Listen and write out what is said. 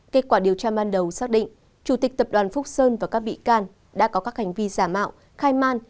kết quả điều tra ban đầu xác định chủ tịch tập đoàn phúc sơn và các bị can đã có các hành vi giả mạo khai man